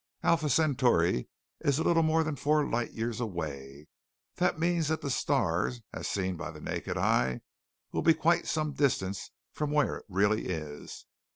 Alpha Centauri is a little more than four light years away. That means that the star as seen by the naked eye will be quite some distance from where it really is.